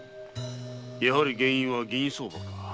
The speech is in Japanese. やはり原因は銀相場か。